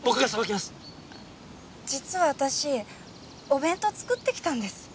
あっ実は私お弁当作ってきたんです。